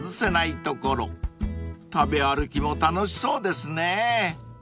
［食べ歩きも楽しそうですね］